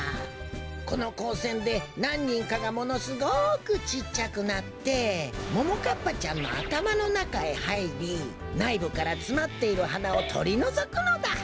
このこうせんでなんにんかがものすごくちっちゃくなってももかっぱちゃんのあたまのなかへはいりないぶからつまっている花をとりのぞくのだ。